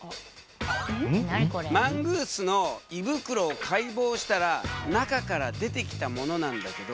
マングースの胃袋を解剖したら中から出てきたものなんだけどこれ何だと思う？